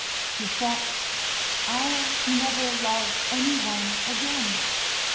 She thought: "I'll never love any one again.